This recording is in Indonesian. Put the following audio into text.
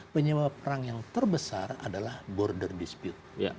penyebab perang yang terbesar adalah border dispute